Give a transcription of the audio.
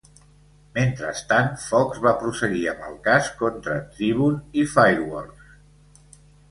Mentrestant, Fox va prosseguir amb el cas contra Tribune i Fireworks.